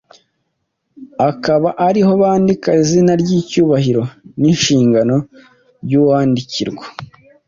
akaba ariho bandika izina ry’icyubahiro n’inshingano by’uwandikirwa.